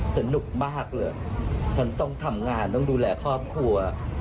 สนุกมากเลยฉันต้องทำงานต้องดูแลครอบครัว